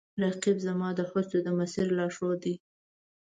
رقیب زما د هڅو د مسیر لارښود دی